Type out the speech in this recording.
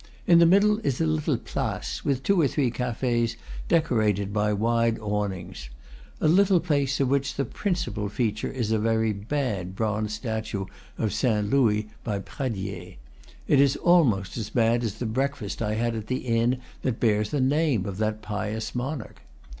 In the middle is a little place, with two or three cafes decorated by wide awnings, a little place of which the principal feature is a very bad bronze statue of Saint Louis by Pradier. It is almost as bad as the breakfast I had at the inn that bears the name of that pious monarch.